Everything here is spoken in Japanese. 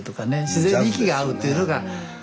自然に息が合うというのが。